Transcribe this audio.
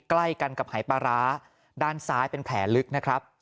ใกล้กันกับหายปลาร้าด้านซ้ายเป็นแผลลึกนะครับ